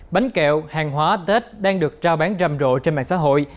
bánh kẹo hàng hóa tết đang được trao bán rầm rộ trên mạng xã hội